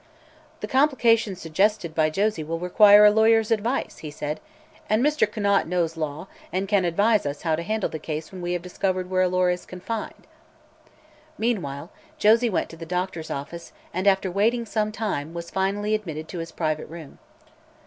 "The complications suggested by Josie will require a lawyer's advice," he said, "and Mr. Conant knows law and can advise us how to handle the case when we have discovered where Alora is confined." Meanwhile Josie went to the doctor's office and after waiting some time, was finally admitted to his private room.